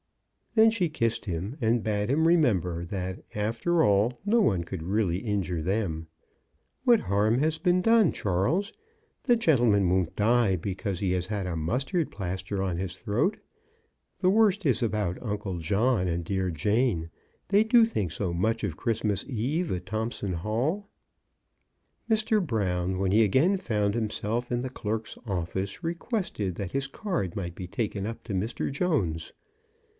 Then she kissed him, and bade him remember that, after all, no one could really injure them. What harm has been done, Charles? The gentleman won't die because he has had a mustard plaster on his throat. The worst is about Uncle John and dear Jane. They do think so much of Christmas eve at Thomp son Hall !" 54 CHRISTMAS AT THOMPSON HALL. Mr. Brown, when he again found himself in the clerk's office, requested that his card might be taken up to Mr. Jones.